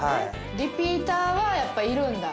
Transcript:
リピーターはやっぱいるんだ。